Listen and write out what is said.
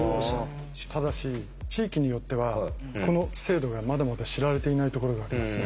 ただし地域によってはこの制度がまだまだ知られていないところがあります。